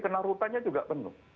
karena rutannya juga penuh